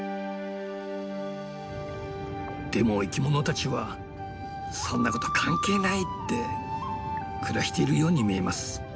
でも生きものたちは「そんなこと関係ない！」って暮らしているように見えます。